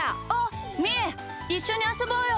いっしょにあそぼうよ。